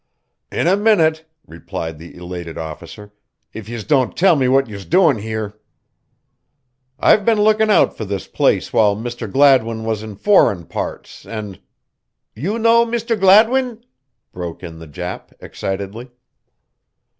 "In a minute," replied the elated officer, "if yez don't tell me what yez're doin' here. I've been lookin' out for this place while Mr. Gladwin was in foreign parts, and" "You know Mr. Gladwin?" broke in the Jap, excitedly.